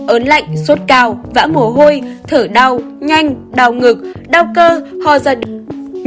ớn lạnh sốt cao vã mồ hôi thở đau nhanh đau ngực đau cơ ho ra đường